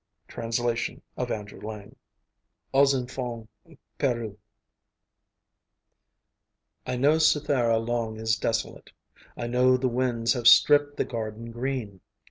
Translation of Andrew Lang. AUX ENFANTS PERDUS I know Cythera long is desolate; I know the winds have stripped the garden green.